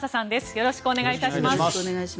よろしくお願いします。